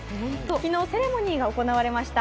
昨日、セレモニーが行われました。